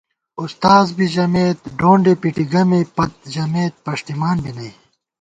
اُستاذ بی ژَمېت ڈونڈے پِٹی گمےپت ژمېت پݭٹِمان بی نئ